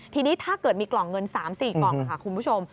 ทีนี้ถ้าเกิดมีกล่องเงิน๓๔กล่องค่ะคุณผู้ชม